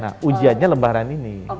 nah ujiannya lebaran ini